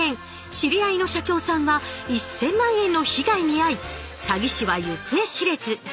知り合いの社長さんは１，０００万円の被害に遭い詐欺師は行方知れず。